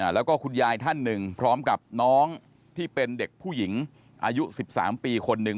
แล้วก็คุณยายท่านหนึ่งพร้อมกับน้องที่เป็นเด็กผู้หญิงอายุ๑๓ปีคนหนึ่ง